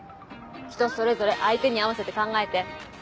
人それぞれ相手に合わせて考えて。